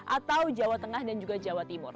atau jawa tengah dan juga jawa timur